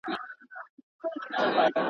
له توتکیو به وي تشې د سپرلي لمني!